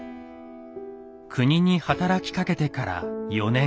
国に働きかけてから４年。